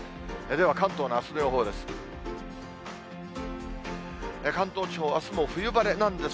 では関東のあすの予報です。